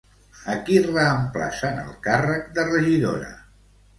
A qui reemplaça en el càrrec de regidora?